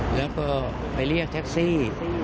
แล้วก็ไปเรียกแท็กซี่